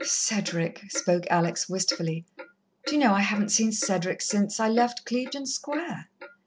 "Cedric!" spoke Alex wistfully. "Do you know, I haven't seen Cedric since I left Clevedon Square."